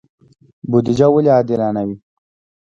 بودجه ولې عادلانه وي؟